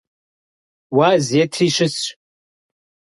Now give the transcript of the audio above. Уаз етри щысщ.